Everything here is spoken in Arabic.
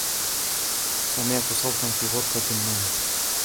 سمعتُ صوتا في غرفة النوم.